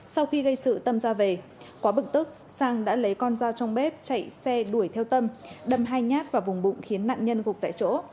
sau khi gây sự tâm ra về quá bực tức sang đã lấy con dao trong bếp chạy xe đuổi theo tâm đâm hai nhát vào vùng bụng khiến nạn nhân gục tại chỗ